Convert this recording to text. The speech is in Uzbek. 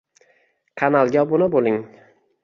Kanalga obuna bo'ling: